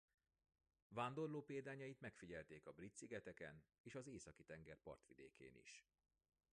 Vándorló példányait megfigyelték a Brit-szigeteken és az Északi-tenger partvidékén is.